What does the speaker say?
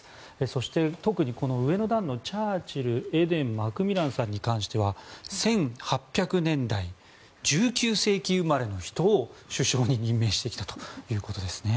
そして、特に上の段のチャーチルエデンさんマクミランさんに関しては１８００年代１９世紀生まれの人を首相に任命してきたということですね。